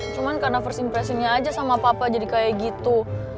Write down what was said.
cuma karena first impressionnya aja sama papa jadi kayak gitu